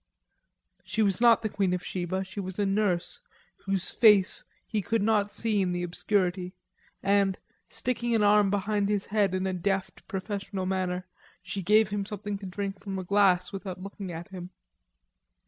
She was not the Queen of Sheba, she was a nurse whose face he could not see in the obscurity, and, sticking an arm behind his head in a deft professional manner, she gave him something to drink from a glass without looking at him.